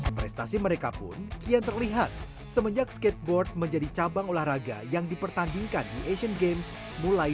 prestasi mereka pun kian terlihat semenjak skateboard menjadi cabang olahraga yang dipertandingkan di asian games mulai